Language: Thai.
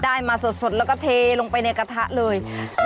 ได้มาสดแล้วก็เทลงไปในกระทะเลย